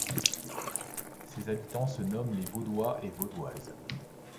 Ses habitants se nomment les Vaudois et Vaudoises.